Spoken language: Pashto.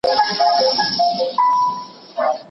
ایا نوي کروندګر وچه الوچه پروسس کوي؟